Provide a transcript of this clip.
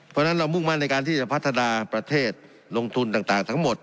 เพราะฉะนั้นเรามุ่งมั่นในการที่จะพัฒนาประเทศลงทุนต่างทั้งหมด